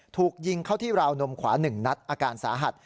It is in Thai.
ถูกยิงเข้าที่ราวนมขวา๑นัดอาการสาหัส